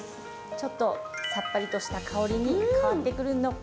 ちょっとさっぱりとした香りに変わってくるのかな？